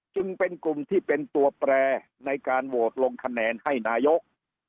จึงเป็นกลุ่มที่เป็นตัวแปรในการโหวตลงคะแนนให้นายก